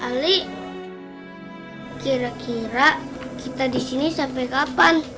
ali kira kira kita disini sampai kapan